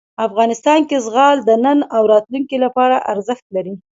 افغانستان کې زغال د نن او راتلونکي لپاره ارزښت لري.